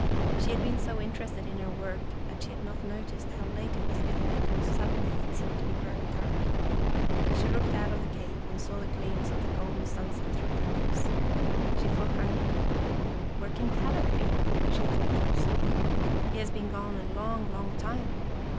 She had been so interested in her work that she had not noticed how late it was getting until suddenly it seemed to be growing dark. She looked out of the cave and saw the gleams of the golden sunset through the leaves. She THE LEAVES PARTED AND A BLACK FACE PEERED THROUGH THE BUSHES." In the Bush 99 felt hungry. "Where can Kadok be?" she thought to herself. " He has been gone a long, long time.